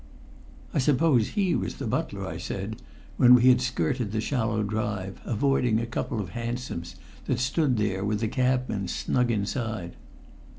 "I suppose he was the butler?" I said when we had skirted the shallow drive, avoiding a couple of hansoms that stood there with the cabmen snug inside.